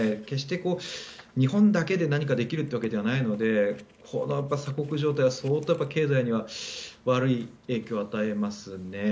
決して日本だけで何かできるというわけではないのでこの鎖国状態は経済には悪い影響を与えますね。